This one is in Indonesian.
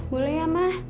boleh ya ma